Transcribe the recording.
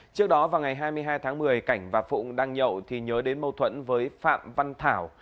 trước đó vào ngày hai mươi hai tháng một mươi cảnh và phụng đang nhậu thì nhớ đến mâu thuẫn với phạm văn thảo